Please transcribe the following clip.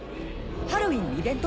ハロウィンのイベント？